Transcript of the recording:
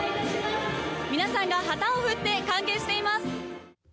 皆さんが旗を振って歓迎しています。